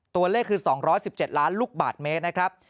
ตัวเลขคือ๒๑๗ล้านลูกบาทเมตรนะครับ